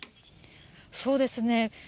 そうですね。